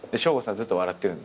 ずっと笑ってるんで。